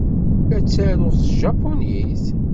La ttaruɣ s tjapunit?